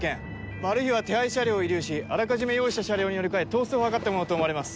マルヒは手配車両を遺留しあらかじめ用意した車両に乗り換え逃走を図ったものと思われます。